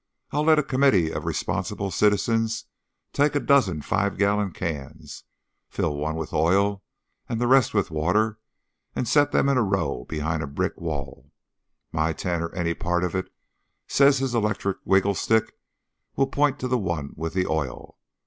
I'll let a committee of responsible citizens take a dozen five gallon cans and fill one with oil and the rest with water and set them in a row behind a brick wall. My ten, or any part of it, says his electric wiggle stick will point to the one with the oil.